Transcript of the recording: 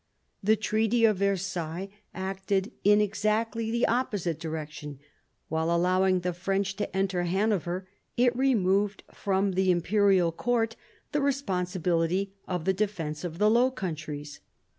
The Treaty of Versailles acted in exactly the opposite direction ; while allowing the French to enter Hanover, it removed from the Imperial court the responsibility of the defence of the Low Countries.